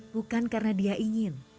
bukan karena dia ingin